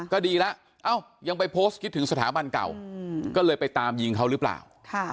ก็ดีแล้วยังไปโพสต์คิดถึงสถาบันเก่าก็เลยไปตามยิงเขาหรือเปล่า